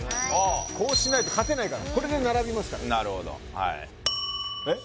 こうしないと勝てないからこれで並びますからなるほどはい・えっ？